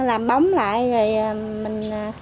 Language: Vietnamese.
làm bóng lại rồi mình